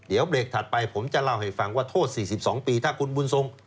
เดี๋ยวเบรกถัดไปผมจะเล่าให้ฟังว่าโทษ๔๒ปีถ้าคุณบุญทรง